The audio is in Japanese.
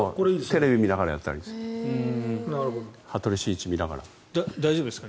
テレビを見ながらやったらいいです。